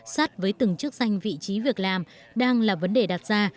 sát với từng chức danh vị trí việc làm đang là vấn đề đặt ra